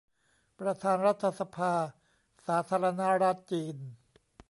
ประธานรัฐสภาสาธารณรัฐจีน